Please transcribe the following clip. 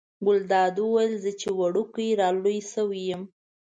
ګلداد وویل زه چې وړوکی را لوی شوی یم.